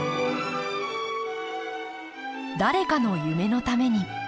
誰かの夢のために。